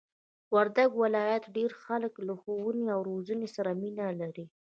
وردګ ولایت ډېرئ خلک له ښوونې او روزنې سره مینه لري!